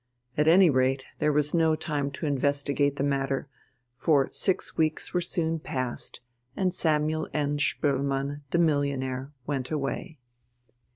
At any rate, there was no time to investigate the matter, for six weeks were soon past, and Samuel N. Spoelmann, the millionaire, went away.